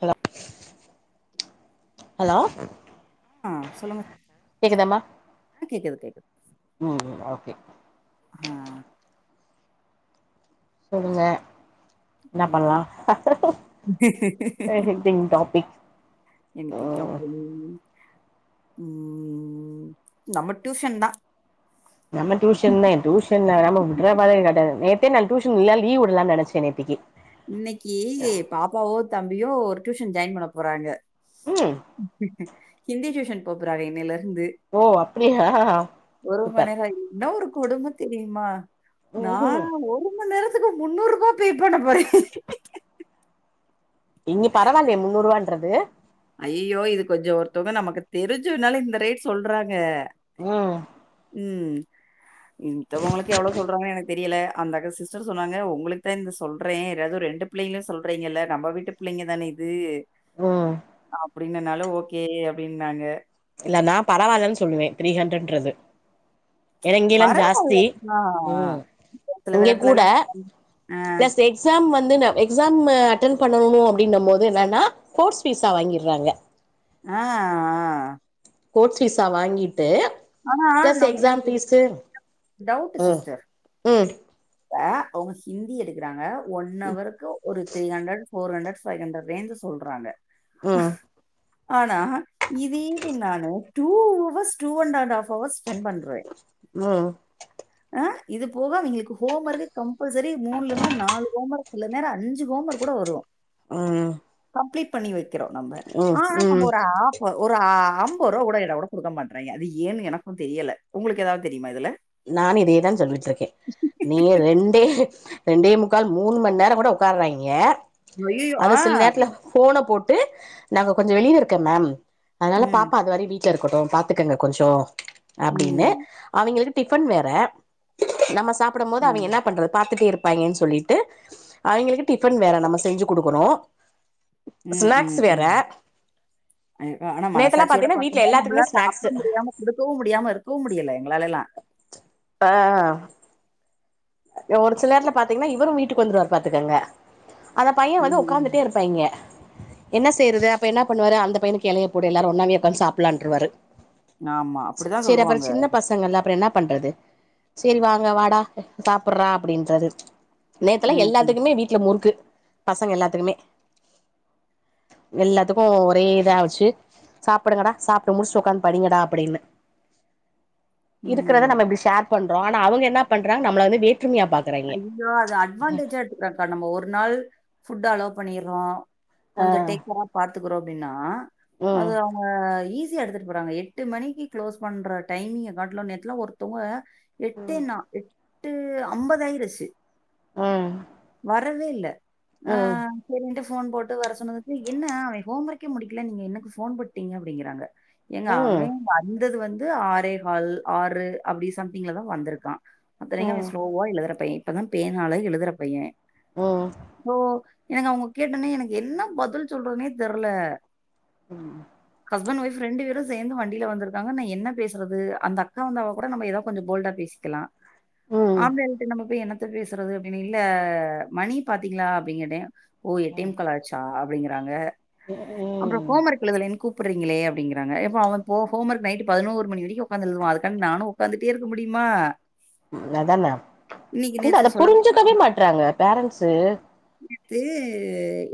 Hello hello ஆ சொல்லுங்க sir. கேக்குதாமா ஆ கேக்குது கேக்குது ம் ம் ஓகே ம் சொல்லுங்க என்ன பண்லா ம் எனிதிங் டாபிக் எனிதிங் டாபிங் ம் நம்ம டியூஷன் தா நம்ம டியூஷன்தே டூஷ் [unintelligible] நேத்தே நா டூஷன் இல்ல லீவ் வுடலானு நெனச்சே நேத்திக்கி இன்னக்கி பாப்பாவு தம்பியு ஒரு டியூஷன் ஜாயின் பண்ண போறாங்க ம் ஹிந்தி டியூஷன் போப்போறாக இன்னைலருந்து ஓ அப்டியா ஒரு மண் சூப்பர் நேர என்ன ஒரு கொடும தெரியுமா நா ம்ஹும் ஒரு மண் நேரத்துக்கு முந்நூறுபா பே பண்ண போறே இன்னி பரவால்யே முன்னூ ரூவான்றது ஐய்யய்யோ இது கொஞ்சோ ஒருத்தவங்க நமக்கு தெரிஞ்சன்னால இந்த ரேட் சொல்றாங்க ம் ம் மித்தவங்களுக்கு எவ்வளவு சொல்றாங்க எனக்கு தெரியில அந்த க சிஸ்டர் சொன்னாங்க உங்களுக்கு தா இந்த சொல்றே ஏதாது ரெண்டு பிள்ளைங்ள சொல்றீங்கல்ல நம்ப வீட்டு பிள்ளைங்க தானே இது ம் அப்டின்னனால ஓகே அப்டின்னாங்க இல்ல நா பரவால்லன் சொல்வே த்ரீ ஹண்ரட்ன்றது பரவால்ல நா ம் சில எடத்துலலா அ ப்ளஸ் எக்ஸாம் வந்து ந எக்ஸாமு அட்டென் பண்ணணு அப்படின்னு போது என்னென்னா கோர்ஸ் ஃபீஸா வாங்கிற்றாங்க ஆ கோர்ஸ் ஃபீஸா வாங்கிட்டு plus exam fees doubt sister அ அவுங்க ஹிந்தி எடுக்றாங்க ஒன் அவருக்கு ஒரு three hundred four hundred five ஹண்ரட்லேந்து சொல்றாங்க ம் ஆனா இது இன்னானு டூ ஹவர்ஸ் டூ அண்ட்ண்ட் ஃப்ஹவர்ஸ் ஸ்பெண்ட் பண்றே ம் இது போக அவங்களுக்கு ஹோம் ஒர்க்கே கம்பல்சரி மூணுலருந்து நாலு ஹோம் ஒர்க் சில நேர அஞ்சு ஹோம் ஒர்க் கூட வருவோ ம் கம்ப்ளீட் பண்ணி வெக்கிறோ நம்ம ம் ஆனா நம்ம ம் ஒரு ஆப் ஒரு ஆ ஐம்பது ரூபா கூட எட கூட குடுக்க மாட்றாங்க அது ஏன்னு எனக்கு தெரியல உங்களுக்கு ஏதாவது தெரியுமா இதுல நானு இதேதா சொல்லிட்ருக்கே நீ ரெண்டே ரெண்டே முக்கால் மூணு மண் நேர கூட உக்காறாய்ங்க ஐய்யயோ! அது ஆ. சில நேரத்ல போன போட்டு நாங்க கொஞ்ச வெளில இருக்கே மேம் அதனால ம். பாப்பா அது வரயு வீட் வீட்ல இருக்கட்டு பாத்துக்கோங்க கொஞ்ஜோ அப்படின்னு ம். அவங்களுக்கு டிஃபன் வேற நம்ம சாப்டும் போது அவங்க ம். என்னா பண்றது பாத்துட்டே இருப் பாய்ங்கன்னு சொல்லிட்டு அவங்களுக்கு டிஃபன் வேற நம்ம செஞ்சு குடுக்கணு ம். ஸ்நாக்ஸ் ம். வேற ம். அ ஆனா நேத்தெல்லா மனசாட்சியோட பாத்தீங்கன்னா வீட்ல பாக்கும்போது எல்லாத்துக்குமே நம்மளா சாப்ட ஸ்நாக்ஸ் முடியாம இருக்கவு முடியாம இருக்கவு முடியல எங்களாலல்லா ஆ ஒரு சில நேரலா பாத்தீங்கன்னா இவரு வீட்டுக்கு வந்துருவாரு பாத்துக்கங்க அந்த பைய வந்து ம். உக்காந்துட்டே இருப்பாய்ங்க என்ன செய்யறது அப்ப என்னா பண்ணுவாரு அந்த பையனுக்கு எலைய போடு எல்லாரு ஒண்ணாவே உக்காந்து சாப்டலான்னுவாரு ஆமா. அப்படிதான் சரி அப்புறம் சொல்லுவாங்க. சின்ன பசங்கள்ல அப்புறம் என்ன பண்றது சரி வாங்க வாடா சாப்படுறா அப்படின்றது நேத்துல ம். ம். எல்லாத்துக்குமே வீட் ல முறுக்கு பசங்க எல்லாத்துக்குமே எல்லாத்துக்கு ஒரே இதா வச்சு சாப்படுங்கடா சாப்ட்டு முடிச்சு உக்காந்து படிங்கடா அப்படின்னே இருக்கிறதை ம். நம்ம இப்டி ஷேர் பண்றோ ஆனா அவங்க என்ன பண்றாங் நம்மள வந்து வேற்றுமையா பாக்குறாய்ங்க தோ அத அட்வான்டேஜா எடுத்துக்கறான்கா நம்ம ஒரு நாள் ஃபுட் அலோ பண்ணிறோ ஆ கொஞ்ச டேக்கேரா பாத்துக்கறோ அப்படின்னா ம் அது ஆ ஈஸியா எடுத்துட்டு போறாங்க எட்டு மணிக்கு க்ளோஸ் பண்ற டைமிங் காட்லு நேத்துலா ஒருத்தவங்க எட்டு நா எட்டு அம்பதாயிருச்சு உம் வரவே இல்ல ஆ சரின்ட்டு ஃபோன் போட்டு வர சொன்னதுக்கு என்ன அவன் ஹோம் ஒர்க்கே முடிக்கல நீங்க எனக்கு ஃபோன் போட்டீங்க அப்டிங்குறாங்க ஏங்க அவன் வந்தது வந்து ஆறேகால் ஆறு அப்டி சம்திங்லதா வந்திருக்கா அத்தனைக்கு அவன் ஸ்லோவா எழுதுற பையன் இப்பதான் பேனால எழுதுற பையன் உம் ஓ எனக்கு அவுங்க கேட்டவுனே எனக்கு என்ன பதில் சொல்றதுனே தெர்ல உம் ஹஸ்பண்ட் வைஃப் ரெண்டு பேரும் சேர்ந்து வண்டியில வந்திருக்காங்க நா என்ன பேசுறது அந்த அக்கா வந்தா கூட நம்ம எதா கொஞ்சோ போல்டா பேசி க்கலா ம் ஆம்பளை நம்ம போய் என்னத்த பேசுறது அப்டின்னு இல்ல மணி பாத்தீங்களா அப்டின் கேட்டேன் ஓ எட்டே முக்காலாச்சா அப்டிங்குறாங்க உ உம் அப்புறம் ஹோம் ஒர்க் எழுதுலேன்னு கூப்ட்றீங்களே அப்டிங்குறாங்க எப்பா அவன் ஹோம் ஒர்க் நைட்டு பதினோரு மணி வரைக்கும் உக்காந்து எழுதுவா அதுக்காண்டி நானு உக்காந்துட்டே இருக்க முடியுமா அதான இன்னைக்கு இல்ல அத நேத்து சொல்ல புரிஞ்சுக்கவே மாட்றாங்க பேரண்ட்ஸு இது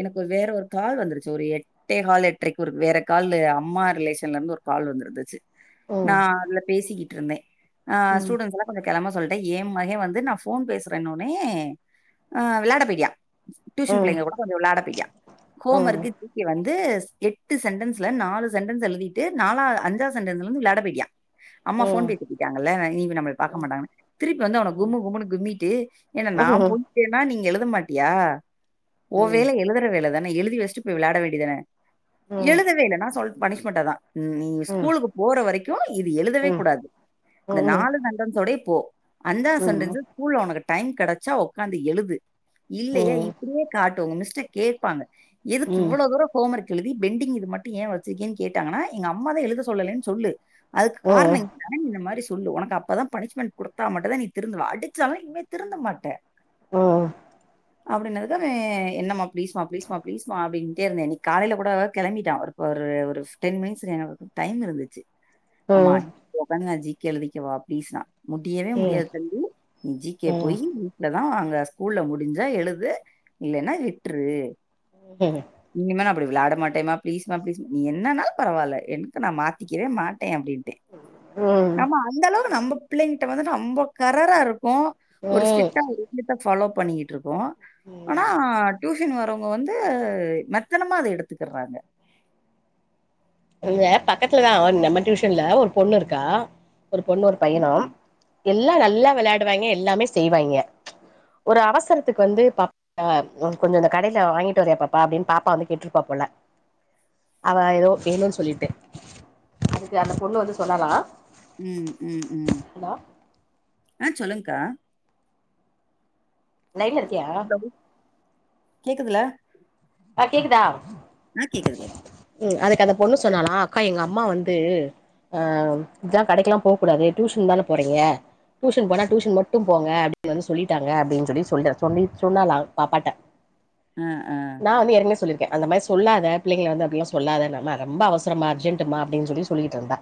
எனக்கு வேற ஒரு கால் வந்துருச்சு ஒரு எட் டே கால் எட்ரைக்கு ஒரு வேற கால்லு அம்மா ரிலேஷன்ல இருந்து ஒரு கால் வந்து இருந்துச்சு நா ம் அதுல பேசிக்கிட்டு இருந்தே ஆ ம் ஸ்டூடன்ஸ்லா கொஞ்சோ கெளம்ப சொல்ட்டே ஏன் மக வந்து நா ஃபோன் பேசுறேன்னுன்னே அ விளாடப் போய்டா டியூஷன் ம் பிள்ளைங்க கூட கொஞ்சோ விளாட போய்டா ஹோம் ம் ஒர்க்கு வந்து எட்டு சென்டன்ஸ்ல நாலு சென்டன்ஸ் எழுதிட்டு நாலா அஞ்சா சென்டன்ஸ்ல இருந்து விளாட போய்ட்டியா அம்மா ம் ம் ம் ஃபோன் பேசுக்கிட்டு இருக்காங்கள இனி நம்மள பாக்க ம் மாட்டாங்கன் திருப்பி வந்து அவன கும்மு கும்முன்னு கும்மிட்டு ஏன்டா ம் நா ம் ம் போன் ன்னா நீ இங்க எழுத மாட்டியா ஓ ம் ம் ம் ம் வேல எழுதுற வேலதான எழுதி வச்சிட்டு போய் விளாட வேண்டியதான ம் எழுதவே இல்ல நா சொல் பனிஷ்மெண்ட் அதா நீ ம் ஸ்கூலுக்கு போற வரைக்கு இது ம் எழுதவே கூடாது ம் ம் இந்த ம் நாலு செண்டன்ஸ்வோடே போ அஞ்சா செண்டன்ஸு ஸ்கூல்ல உனக்கு டைம் கிடைச்சா உக்காந்து எழுது இல்லையா இப்டியே காட்டு உங்க மிஸ்ட கேப்பாங்க எதுக்கு ம் இவ்வளோ தூரம் ஹோம் ஒர்க் எழுதி பெண்டிங் இது மட்டும் ஏன் வச்சுருக்கேன் கேட்டாங்கன்னா எங்க அம்மா தா எழுத சொல்லலனு சொல்லு அதுக்கு காரணம் நா இந்த மாதிரி சொல்லு உனக்கு அப்பதா பனிஷ்மெண்ட் குடுத்தா மட்டும் தா நீ திருந்துவ அடிச்சாலு இனிமே திருந்த மாட்ட உம் அப்டின்னதுக்கு என்னம்மா ப்ளீஸ்மா ப்ளீஸ்மா ப்ளீஸ்மா அப்டின்ட்டே இருந்தேன் இன்னைக்கு காலைல கூட கிளம்பிட்டா ஒரு ஒரு ஒரு டென் மினிட்ஸ் எனக்கு டைம் இருந்துச்சு அம்மா உக்காந்து நா ஜி கே எழுதிக்கவா பிளீஸ்னா முடியவே முடியாது தம்பி நீ ஜி கே போய் வீட்ல தா அங்க ஸ்கூல்ல முடிஞ் சா எழுது இல்லன்னா விட்ரு உம் இனிமே அப்டி விளாடமாட்டேமா பிளீஸ்மா பிளீஸ் நீ என்னன்னாலு பரவால என்னத்த நா மாத்திக்கவே மாட்டே அப்டின் நம்ம அந்த அளவுக்கு நம்ம பிள்ளைங்கிட்ட வந்து ரொம்ப கரரா இருக்கோ ம் ஒரு ம் ஸ்ட்ரிக்டா ஃபாலோ பண்ணிகிட்டு இருக்கோ ம் ஆனா டியூசன் சன் வரவுங்க வந்து மெத்தனமா அத எடுத்துக்குறாங்க அங்க பக்கத்துலதா நம்ம டியூஷன்ல ஒரு பொண்ணு இருக்கா ஒரு பொண்ணு ஒரு பையனும் எல்லா நல்லா வெளாடுவாய்ங்க எல்லாமே செய்வாங்க ஒரு அவசரத்துக்கு வந்து ஆ கொஞ்சோ இந்த கடைல வாங்கிட்டு வரியா பாப்பா அப்டின் பாப்பா வந்து கேட்ருப்பா போல அவ எதோ வேணுன் சொல்லிட்டு அதுக்கு அந்த பொண்ணு வந்து சொன்னாலா ம் ம் ம் ஹலோ ஆ சொல்லுங்க்கா லைன்ல இருக்கியா கேக்குதுல ஆ கேக்குதா ஆ கேக்குது கேக்கு ம் அதுக்கு அந்த பொண்ணு சொன்னாலா அக்கா எங்க அம்மா வந்து ஆ ஜ கடைக்ல்லா போகூடாது டியூஷன் தானே போறீங்க டியூஷன் போனா டியூஷன் மட்டு போங்க அப்டின் வந்து சொல்லிட்டாங்க அப்டின் சொல்லி சொல்ல சொல்லி சொன்னாலா பாப்பாட்ட அ ஆ நா வந்து ஏற்கனவே சொல்லிருக்கே அந்த மாரி சொல்லாத பிள்ளைங்ள வந்து அப்டிலா சொல்லாத அம்மா ரொம்ப அவசரமா அர்ஜென்ட் டு மா அப்டின் சொல்லி சொல்லிட்ருந்தா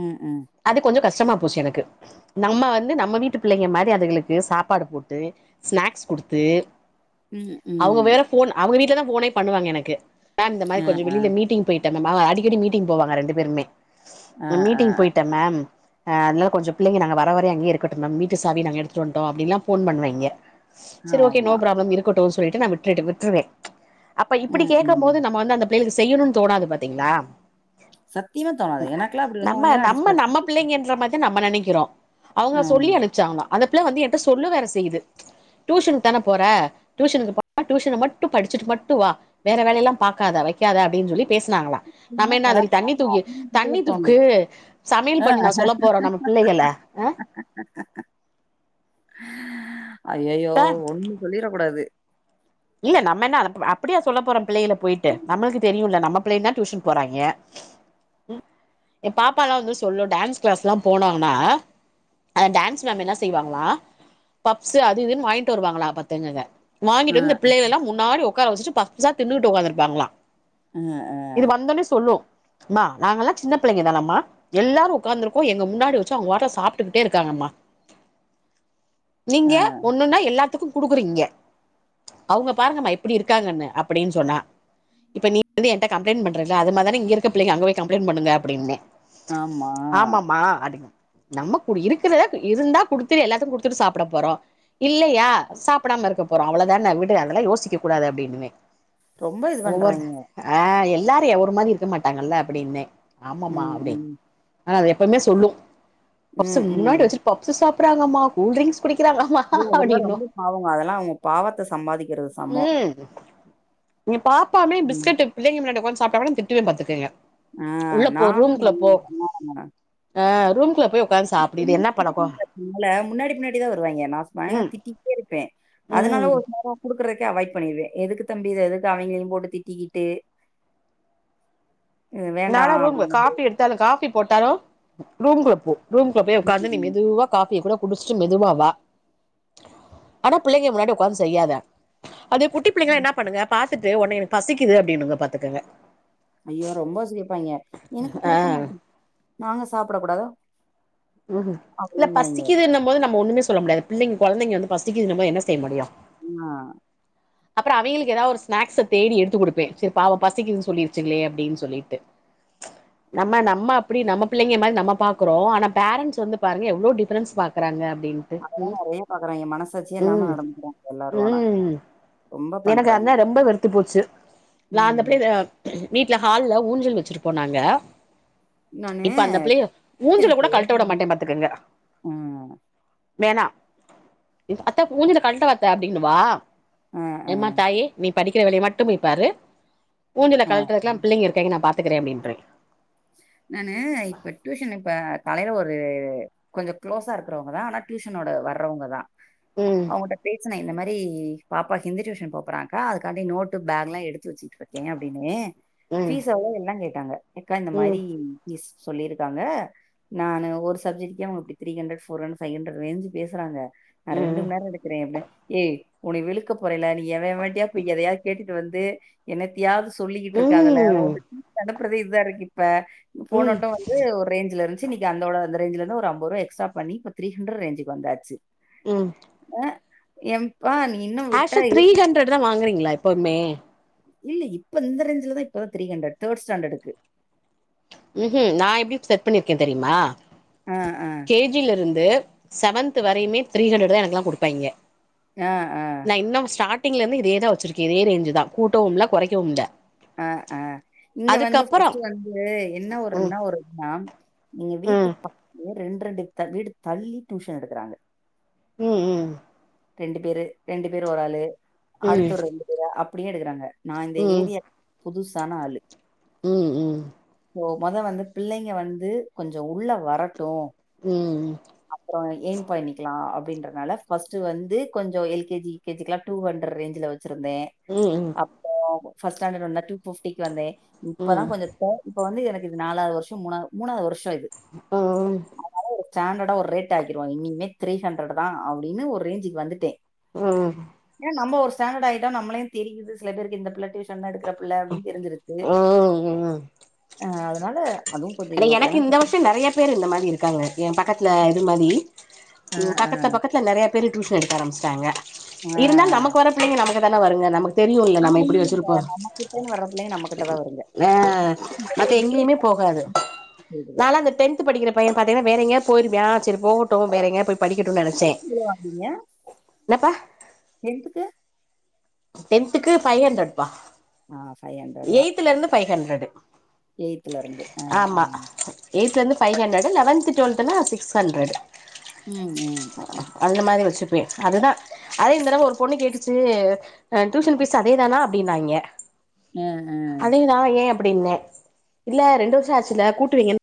அ ஆ அது கொஞ்சோ கஷ்டமா போச்சு எனக்கு நம்ம வந்து நம்ம வீட்டு பிள்ளைங்க மாரி அதுகளு க்கு சாப்பாடு போட்டு ஸ்நாக்ஸ் குடுத்து ம், அவுங்க ம். வேற ஃபோன் அவுங்க வீட்ல தா ஃபோனே பண்ணுவாங்க எனக்கு மேம் இந்த ஆ, மாரி கொஞ்சோ ஆ. வெளில மீட்டிங் போய்ட்டு வந்தே மேம் அடிக்கடி மீட்டிங் போவாங்க ரெண்டு பேருமே ஆ, நா ஆ. மீட்டிங் போய்ட்டே மேம் ஆ அதனால கொஞ்சோ பிள்ளைங்க நாங்க வர வரயு அங்கயே இருக்கட்டு மேம் வீட்டு சாவி நாங்க எடுத்துட்டு வன்ட்டோ அப்டின்ல்லா ஃபோன் பண்ணுவாய்ங்க சேரி ஓகே நோ ஆமா. ப்ராப்ளம் இருக்கட்டு சொல்லிட்டு நா விட்டுடு நா விட்ருவே அப்ப இப்டி ம், ம். கேக்கம்போது நம்ம வந்து அந்த பிள்ளைகளுக்கு செய்யணுன் தோணாது பாத்தீங்களா சத்தியமா தோணாது. எனக்கெல்லாம் அப்படி வந்து நம்ம அவங்களலாம் அடிச்சு நம்ம பாத்து நம்ம பிள்ளைங்கன்ற மார் தா நம்ம நெனைக்கிறோ அவுங்க ஆம். சொல்லி அனுப்ச்சாங்களா அந்த புள்ள வந்து என்ட்ட சொல்ல வேற செய்யுது டியூஷனுக்கு தான போற டியூஷனுக்கு போனா டியூஷன ம ட்டு படிச்சுட்டு மட்டு வா வேற வேல எல்லா பாக்காத வெக்காத அப்டின் சொல்லி பேசனாங்ளா நம்ம என்ன அதுகள தண்ணி தூக்கி தண்ணி தோணும். தூக்கு சமையல் ஆ பண்ணுனா சொல்ல போறோ நம்ம பிள்ளைகள அ அய்யயோ ப்ப ஒண்ணு சொல்லிற கூடாது இல்ல நம்ம என்ன அப்டியா சொல்ல போறோ பிள்ளைல போய்ட்டு நம்மளுக்கு தெரியுல நம்ம புள்ளயுந்தா டியூஷன் போறாய்ங்க ம் எ பாப்பால்லா வந்து சொல்லு டான்ஸ் க்ளாஸ்ல்லா போனாங்ன்னா அந்த டான்ஸ் மேம் என்ன செய்வாங்ளா பப்ஸு அது இதுன் வாய்ன்ட்டு வருவாங்களா பாத்துக்கங்க ஆ, வாங்கிட்டு வந்து பிள்ளைகள எல்லா முன்னாடி ஒக்கார வச்சுட்டு பப்ஸா தின்னுட்டு ஒக்காந்துட்ருப்பாங்ளா ஆ, ஆ, இது வந்தோனே சொல்லு அம்மா நாங்கல்லா சின்ன பிள்ளைங்க தானம்மா எல்லாரு ஒக்காந்துருக்கோ எங்க முன்னாடி வச்சு அவுங்கவாட்ல சாப்ட்டுக்கிட்டே இருக்காங்கம்மா நீங்க ஆ. ஒண்ணுன்னா எல்லாத்துக்கு குடுக்குறீங்க அவுங்க பாருங்கம்மா எப்டி இருக்காங்கன்னு அப்டின் சொன்னா இப்ப நீ வந்து என்ட்ட கம்ப்ளைண்ட் பண்றேல அது மார்தானே இங்கெருக்க பிள்ளைங்க அங்கபோய் கம்ப்ளைண்ட் பண்ணுங்க அப்டின்னே ஆமா. ஆமாம்மா அப்டினா நம்ம குடு இருக்குறத இருந்தா குடுத்துட்டு எல்லாத்துக்கு குடுத்துட்டு சாப்புட போறோ இல்லயா சாப்டாம இருக்க போறோ அவ்ளோதான விடு அதெல்லா யோசிக்க கூடாது அப்டின்னுவே ரொம்ப இது ஒவ்வொரு பண்றாய்ங்க ஆ எல்லாரு எ ஒரு மாரி இருக்க மாட்டாங்கல்ல அப்டின்னே ஆமாம்மா ம், அப்டின் ம். ஆ அது எப்பமே சொல்லு பப்ஸு ம், ம். முன்னாடி வச்சுட்டு பப்ஸு சாப்றாங்கம்மா கூல் டிரிங்ஸ் குடிக்கிறாங்க அய்யோ அதெல்லா ரொம்ப பாவொங்க அதெல்லா அவுங்க பாவத்த சம்பாதிக் ம் நீங்க பாப்பாமே ம். பிஸ்கெட்டு பிள்ளைங்க முன்னாடி ஒக்காந் சாப்ட்டா குட நா திட்டுவே பாத்துக்கங்க ஆ உள்ள போ நாலா ரூம்குள்ள போ [unintelligible] ஆ ரூம்குள்ள போய் ஒக்காந் சாப்டு இது என்னா பழக்கோ [inaudible] முன்னாடி பின்னாடி தா வருவாங்க நா பயங்க ம் திட்டிட்டேருப்பே அதனால ம் ஒரு நேரோ குடுக்குறகே அவாய்ட் பண்ணிருவே எதுக்கு தம்பி இத எதுக்கு அவைங்களயு போட்டு திட்டிக்கிட்டு இது வேண்டா நானா ரூம்ல அப்டின்னா மேரி [inaudible] காஃபி போட்டாலு ரூம் குள்ளபோ ரூம் குள்ளப்பேய் ஒக்காந்து நீ மெதுவா காஃபிய குட குடிச்ட்டு மெதுவாவா ஆன பிள்ளங்க முன்னாடி ஒக்காந்து செய்யாத அது குட்டி பிள்ளங்களா என்ன பண்ணுங்க பாத்துட்டு ஒனே எனக்கு பசிக்கிது அப்டின்னுங்க பாத்துகுங்க ஐயோ ரொம்ப சிரிப்பாங்க எனக்கு ஆ குடுக்க மாட்டே நாங்க சாப்ட கூடாதா ம் இல்ல பசிக்கிதுன்னும்போது நம்ம ஒண்ணுமே சொல்ல முடியாது பிள்ளங் கொழந்தைங்க வந்து பசிக்குதுன்னும்போது என்ன செய்ய முடியு ஆ அப்றோ அவிங்களுக் ஏதா ஒரு ஸ்னாக்ஸ தேடி எடுத்து குடுப்பே செரி பாவோ பசிக்கிதுன் சொல்லிருச்சிங்ளே அப்டின் சொல்லிட்டு நம்ம நம்ம அப்டி நம்ம பிள்ளங்க மாரி நம்ம பாக்குறோ ஆனா பேரண்ட்ஸ் வந்து பாருங் எவ்ளோ டிஃப்ரன்ஸ் பாக்குறாங்க அப்டின் அதெல்லாம் நெறைய பார்க்குறாய்ங்க. மனசாட்சியே [inaudible] இல்லாம ம் நடந்துக்கிறாங்க ம் எல்லாரும் ஆனா. ம் ரொம்ப எனக்கு பண்றாய்ங்க. அதன ரொம்ப வெறுத்து போச்சி நா அந்த ம். பிள்ளய ம் வீட்ல ஹால்ல ஊஞ்சல் வச்சிருப்போ நாங்க நானு இப்ப அந்த பிள்ளைகள ஊஞ்சல குட டியூஷனுக்கு கழ்ட்ட விட மாட்டே பாத்துக்கங்க அ, வேணா அத்த ஊஞ்சல கழ்ட்ட வாத்த அப்டின்னு வா அ ம்மா தாயே நீ படிக்கிற வேலய மட்டுபோய் பாரு ஊஞ்சல அ, அ. கலட்றதுக்லா பிள்ளங்க இருக்கங்க நா பாத்துக்குறே அப்டின்றே நானு இப்ப டியூஷன் இப்ப காலைல ஒரு கொஞ்சோ க்ளோஸா இருக்குரவங்கதா ஆன டியூஷனோட வர்றவங்க தா ம் அவுங்கள்ட்ட பேசுன இந்த மரி பாப்பா ஹிந்தி டியூஷன் போ பொறாக்கா அதுக்கான்டி நோட்டு பேக் லா எடுத்து வச்சிட்டுருக்கே அப்டின்னு ம் ஃபீஸ் எவ்ளோ எல்லா கேட்டாங்க அக்கா இந்த ம் மாரி ஃபீஸ் சொல்லிருக்காங்க நானு ஒரு சப்ஜெ்ட்கே அவுங்க இப்டி three hundred four hundred five hundred range பேசுறாங்க நா ரெண்டு ம் மணி நேரோ எடுக்றே அப்டே ஏய் உன்னை வெழுக்க போறேன்ல நீ எவ எவன்டயாவது போய் எதையாவது கேட்டுட்டு வந்து என்னத்தயாவது சொல்லிக்கிட்டு இருக்காதல ம் உன்கிட்ட டியூஷ அனுப்புறதே இதருக்கு இப்ப ம் போனட்டு வந்து ஒரு ரேஞ்ச்ல இருந் ச்சி நிக்கி அந்தட அந்த ரேஞ்லந்து ஒரு அம்பொ ரூவா எக்ஸ்ட்ரா பண்ணிப்ப த்ரீ ஹண்ரடு ரேஞ்சிக் வந்தாச்சி ம் அ என்ப்பா நீ இன்னும் விட்டா ஆஷா இ- த்ரீ ஹண்ட்ரட் தா வாங்குறீங்ளா எப்பமே இல்ல இப்ப இந்த ரேஞ்ல தா இப்ப தா த்ரீ ஹண்ட்ரட் தேர்ட் ஸ்டாண்டர்ட்க்கு ம் ம் நா எப்டி செட் பண்ணிருக்கே தெரியுமா ஆ ஆ கேஜிலேருந்து செவன்த் வரையுமே த்ரீ ஹண்ட்ரட் தா எனக்குலா குடுப்பாய்ங்க ஆ ஆ நா இன்னு ஸ்டார்டிங்ல இருந்து இதே தா வச்சிருக்கே இதே ரேஞ்சு தா கூட்டவுமில்ல கொறைக்கவுமில்ல அ ஆ இங்க வந்து ஃபர்ஸ்ட் வந்து என்ன ஒரு ம் நா என்ன ஒரு நா நீங்க ம் வீட்டுக் பக்கதுலயே ரெண்டு ரெண்டு தள் வீடு தள்ளி டியூஷன் எடுக்குறாங்க ம் ம் ரெண்டு பேரு ரெண்டு பேர் ஒரு ஆளு ம் அடுத்த ஒரு ரெண்டு பேரு அப்டியே எடுக்குறாங்க நா இந்த ம் ஏரியா புதுசான ஆளு ம் ம் இப்போ மொத வந்து பிள்ளைங்க வந்து கொஞ்சோ உள்ள வரட்டு ம் அப்றம் எய்ம் பண்ணிக்கலா அப்டின்றனால ஃபர்ஸ்ட் ஸ்ட்டு வந்து கொஞ்சோ L K G U K G க்குல்லா டூ ஹண்ட்ரட் ரேஞ்ல வச்சிருந்தே ம் ம் ஃபர்ஸ்ட் ஸ்டாண்டர்ட் வந்தா டூ ஃபிப்டிக்கு வந்தே இப்ப தா கொஞ்சோ ப்ப இப்ப வந்து எனக்கு இது நாலாவது வருஷம் மூணா மூணாவது வருஷம் இது இப்போ அதனால ஒரு ஸ்டாண்டர்டா ஒரு ரேட் ஆக்கிருவோ இனிமே த்ரீ ஹண்ட்ரட் தா அப்டின்னு ஒரு ரேஞ்சுக்கு வந்துட்டே ம் ஏ நம்ம ஒரு ஸ்டாண்டர்ட் ஆயிட்டா நம்மளயு தெரியுது சில பேருக்கு இந்த பிள்ள டியூ ஷன் எடுக்குற பிள்ள அப்டின்னு தெரிஞ்சிருக்கு அதனால அதுவும் கொஞ்சம் ஆனா எனக்கு இவனுக்குள்ளலாம் இந்த வருஷம் நெறய பேரு இந்த மாரி இருக்காங்க என் பக்கத்துல இது மாரி அ, இங் அ, பக்கத்துல பக்கத்துல நெறய பேரு டியூஷன் எடுக்க ஆரம்ச்சிட்டாங்க அ. இருந்தாலு நமக் போற புள்ளைங்க நம கிட்டதா வருங்க நம தெரியும்ல ஆனா நம்ம எப்டி வச்சுருப்போ வந்து டைம் வர்ற பிள்ளைங்க நம்ம கிட்ட தான் வருங்க. ஆ மத்த எங்கேமே போகாது [unintelligible] நாலா அந்த டென்த் படிக்கிற பையே பாத்தீங்கன்னா வேற எங்கயாவது போயிர்ருவா சரி போகட்டு வேற எங்கயாது போய் படிக்கட்டுனு நெனச்சே வ்ளோ வாங்குவீங்க ன்னப்பா டென்த்க்கு டென்த்துக்கு ஃபைவ் ஹண்ட்ரட்ப்பா ஆ ஃபைவ் எய்த்லயிருந்து ஃபைவ் ஹண்ட்ரடு எய்தலயிருந்து அ ஆமா எய்த்லருந்து ஃபைவ் ஹண்ட்ரடு் லெவன்த்து டுவல்த்துல சிக்ஸ் ஹண்ட்ரடு் ம் ம் அந்த மாரி வச்சுப்பே அதுதா அதே இந் தடவ ஒரு பொண்ணு கேட்டுச்சு அ டியூஷன் ஃபீஸ் அதேதானா அப்டின்னாய்ங்கே ம் அ அதேதா ஏ அப்டின்னே இல்ல ரெண்டு வருஷோ ஆச்சுல்ல கூட்டுவீங்க